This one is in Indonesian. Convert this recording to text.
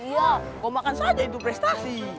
wah kau makan saja itu prestasi